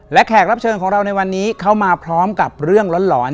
และแขกรับเชิญของเราในวันนี้เข้ามาพร้อมกับเรื่องหลอน